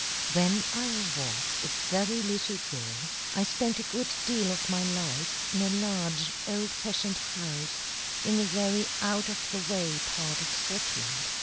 When I was a very little girl, I spent a good deal of my life in a large old fashioned house in a very out of the way part of Scotland.